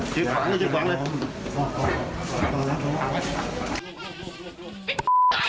จึกหวังเลยจึกหวังเลย